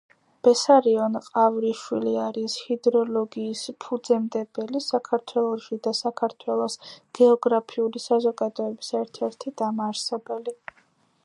ბესარიონ ყავრიშვილი არის ჰიდროლოგიის ფუძემდებელი საქართველოში და საქართველოს გეოგრაფიული საზოგადოების ერთ-ერთი დამაარსებელი.